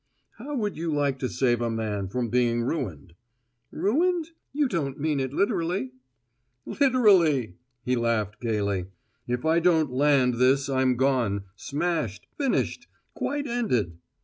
"How would you like to save a man from being ruined?" "Ruined? You don't mean it literally?" "Literally!" He laughed gayly. "If I don't `land' this I'm gone, smashed, finished quite ended!